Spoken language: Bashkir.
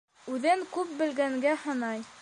Үҙен күп белгәнгә һанай.